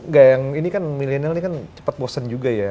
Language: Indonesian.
gak yang ini kan milenial ini kan cepat bosen juga ya